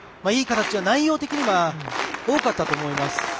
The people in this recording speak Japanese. いい形が内容的には多かったと思います。